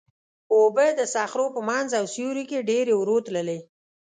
اوبه د صخرو په منځ او سیوري کې ډېرې ورو تللې.